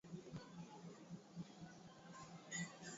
ni mwanaharakati wa maswala ya uhuru wa vyombo vya habari